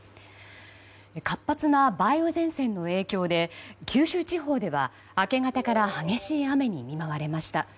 活発な梅雨前線の影響で九州地方では明け方から激しい雨に見舞われました。